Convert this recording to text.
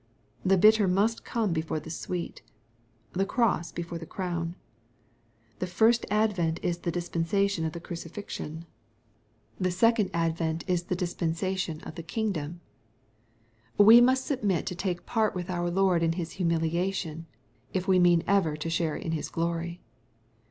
The bitter must come before the sweet, the cross before the crown. The first advent is the dispensation of the crucifixion. The 204 EXPOSITORY THOUGHTS. secoud advent is the dispensation of the kingdom. Wo must submit to take part with our Lord in His humilia tion, if we mean evei* to share in his glory.